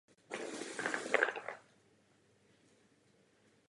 Samozřejmě se musíme řídit zásadou subsidiarity.